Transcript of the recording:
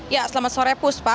ya selamat sore puspa